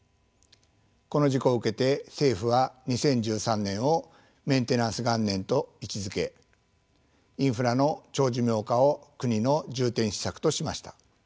この事故を受けて政府は２０１３年をメンテナンス元年と位置づけインフラの長寿命化を国の重点施策としました。